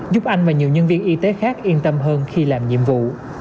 giúp anh và nhiều nhân viên y tế khác yên tâm hơn khi làm nhiệm vụ